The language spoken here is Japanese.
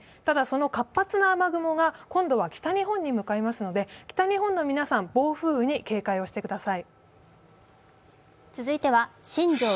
活発な雨雲が今度は北日本に向かいますので北日本の皆さん、暴風雨に警戒をしてください。